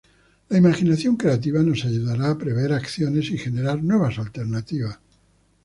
La imaginación creativa nos ayudará a prever acciones y generar nuevas alternativas.